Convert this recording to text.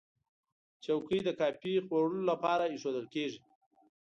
چوکۍ د کافي خوړلو لپاره ایښودل کېږي.